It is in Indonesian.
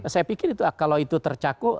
saya pikir itu kalau itu tercakup